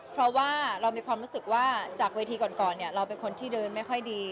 เพราะว่าเรามีความรู้สึกว่าจากเวทีก่อนเนี่ยเราเป็นคนที่เดินไม่ค่อยดี